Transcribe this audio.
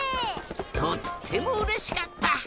とってもうれしかった！